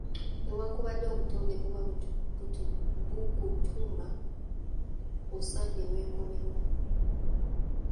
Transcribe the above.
Newankubadde ng'obutonde buba bukutuma osaanye weekomeko.